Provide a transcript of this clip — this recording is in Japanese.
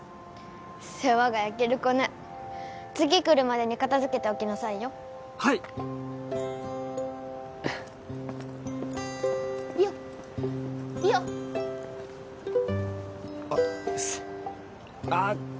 世話が焼ける子ね次来るまでに片づけておきなさいよはいっリオリオ！